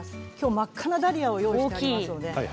真っ赤なダリアを用意しています。